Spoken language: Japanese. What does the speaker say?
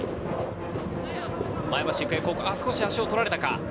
前橋育英高校、少し足を取られたか。